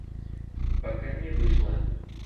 Пока не вышло.